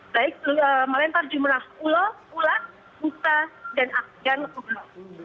baik melempar jumrah ular ular buka dan akhjar ke ular